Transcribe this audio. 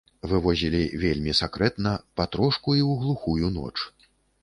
Вывозілі вельмі сакрэтна, патрошку і ў глухую ноч.